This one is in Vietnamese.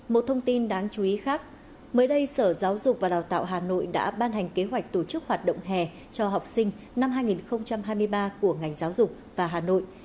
một thông tin đáng chú ý khác mới đây sở giáo dục và đào tạo hà nội đã ban hành kế hoạch tổ chức hoạt động hè cho học sinh năm hai nghìn hai mươi ba của ngành giáo dục và hà nội